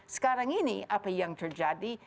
sekarang ini apa yang terjadi